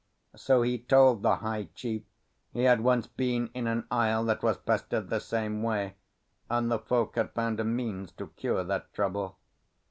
So he told the high chief he had once been in an isle that was pestered the same way, and the folk had found a means to cure that trouble.